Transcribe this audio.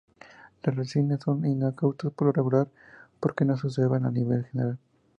Las resinas son inocuas por lo regular, porque no se absorben a nivel general.